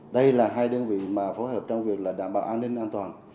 đây là hai đơn vị mà phối hợp trong việc là đảm bảo an ninh an toàn